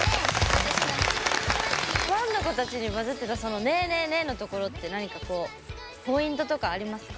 ファンの子たちにバズってたその「ねえ？ねえ？ねえ？」のところって何かこうポイントとかありますか？